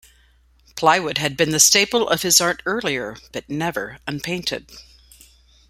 Plywood had been the staple of his art earlier, but never unpainted.